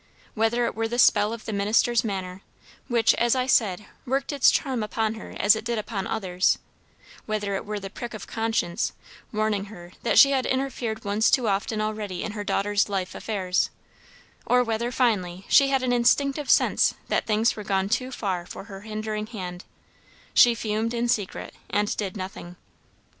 Whether it were the spell of the minister's manner, which, as I said, worked its charm upon her as it did upon others; whether it were the prick of conscience, warning her that she had interfered once too often already in her daughter's life affairs; or whether, finally, she had an instinctive sense that things were gone too far for her hindering hand, she fumed in secret, and did nothing.